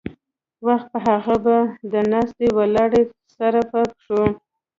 وخت پۀ وخت به د ناستې ولاړې سره پۀ پښو